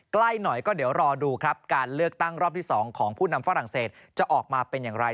ใกล้หน่อยก็เดี๋ยวรอดูครับการเลือกตั้งรอบที่๒ของผู้นำฝรั่งเศสจะออกมาเป็นอย่างไร